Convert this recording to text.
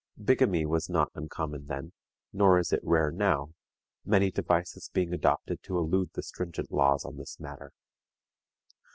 Bigamy was not uncommon then, nor is it rare now, many devices being adopted to elude the stringent laws on this matter.